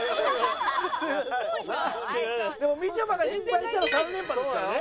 でもみちょぱが失敗したら３連覇ですからね。